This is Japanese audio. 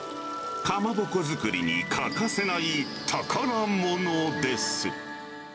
かまぼこ作りに欠かせない宝物です。